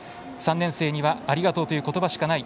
３年生にはありがとうという言葉しかない。